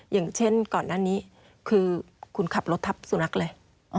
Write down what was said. อย่างเช่นก่อนหน้านี้คือคุณขับรถทับสุนัขเลย